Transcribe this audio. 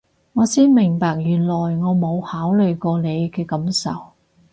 我先明白原來我冇考慮過你嘅感受